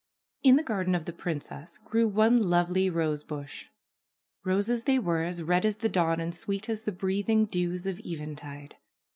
In the garden of the princess grew one lovely rosebush ; roses they were as red as the dawn and sweet as the breathing dews of eventide.